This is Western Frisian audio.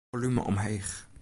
Folume omheech.